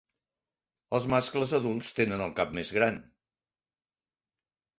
Els mascles adults tenen el cap més gran.